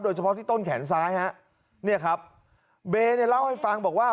เฉพาะที่ต้นแขนซ้ายฮะเนี่ยครับเบย์เนี่ยเล่าให้ฟังบอกว่า